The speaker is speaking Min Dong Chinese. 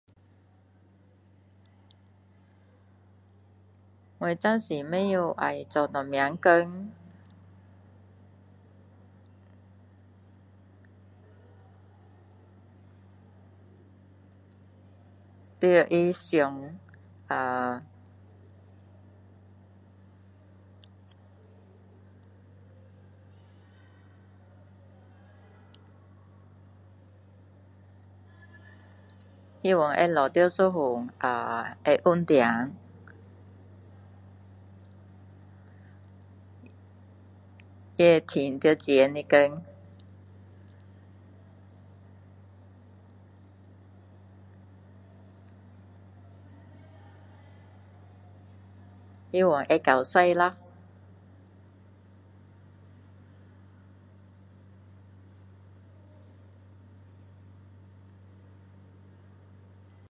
我暂时不懂要做什么工要他想呃希望会找到一份会稳定也会赚到钱的工希望会够花啦